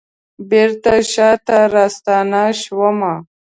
بیرته شاته راستنه شومه